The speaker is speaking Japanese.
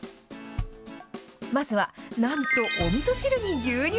まずはなんと、おみそ汁に牛乳。